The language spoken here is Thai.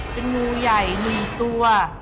เป็นงูใหญ่๑ตัว